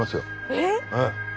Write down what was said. えっ？ええ。